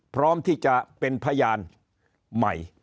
พร้อมที่จะเป็นพยานใหม่